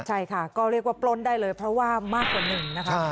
ใช่ค่ะก็เรียกว่าปล้นได้เลยเพราะว่ามากกว่าหนึ่งนะคะ